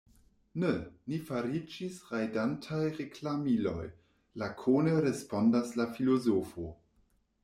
Ne; ni fariĝis rajdantaj reklamiloj, lakone respondas la filozofo.